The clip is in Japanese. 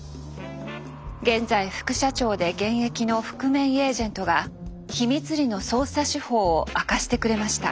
現在副社長で現役の覆面エージェントが秘密裏の捜査手法を明かしてくれました。